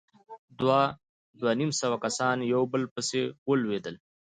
دوه، دوه نيم سوه کسان يو په بل پسې ولوېدل.